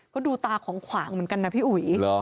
ก็ดูตาของขวางเหมือนกันนะพี่อุ๋ย